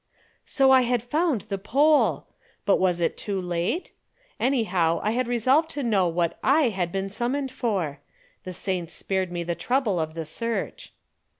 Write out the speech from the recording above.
So I had found the Pole! But was it too late? Anyhow I resolved to know what I had been summoned for? The saints spared me the trouble of the search.